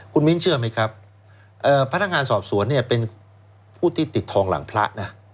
คุณมิ้นเชื่อไหมครับพนักงานสอบสวนเนี่ยเป็นผู้ที่ติดทองหลังพระนะ